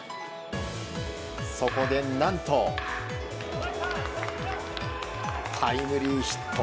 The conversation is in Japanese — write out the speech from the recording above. そこで何とタイムリーヒット。